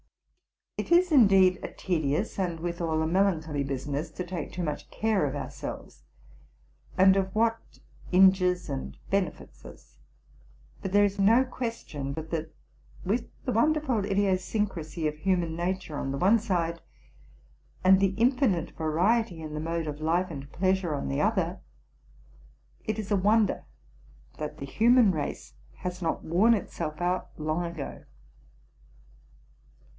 It is, indeed, a tedious, and withal a melancholy, business to take too much care of our selves, and of what injures and benefits us; but there is no question but that, with the wonderful idiosyncrasy of human nature on the one side, and the infinite variety in the mode of life and pleasure on the other, it is a wonder that the human race has not worn itself out long ago.